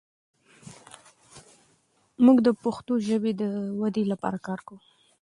موږ د پښتو ژبې د ودې لپاره کار کوو.